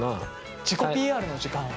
自己ＰＲの時間を。